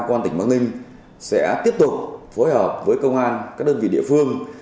công an tỉnh bắc ninh sẽ tiếp tục phối hợp với công an các đơn vị địa phương